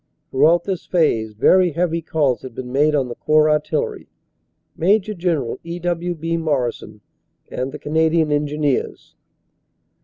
Throughout this phase very heavy calls had been made on the Corps Artillery ( Major General E. W. B. Morrison) and the Canadian Engineers.